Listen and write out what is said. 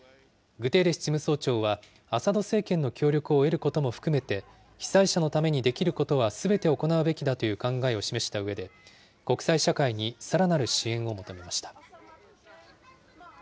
グテーレス事務総長は、アサド政権の協力を得ることも含めて、被災者のためにできることはすべて行うべきだという考えを示したうえで、国際社会にさらなる支援を求めました。